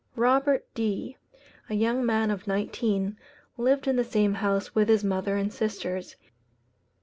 Robert D , a young man of nineteen, lived in the same house with his mother and sisters.